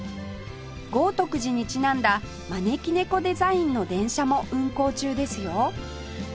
豪徳寺にちなんだ招き猫デザインの電車も運行中ですよ